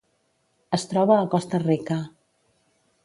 Es troba a Costa Rica.